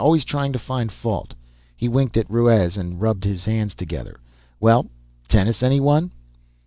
"Always trying to find fault." He winked at Ruiz and rubbed his hands together. "Well tennis, anyone?"